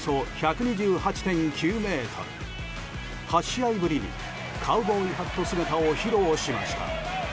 ８試合ぶりにカウボーイハット姿を披露しました。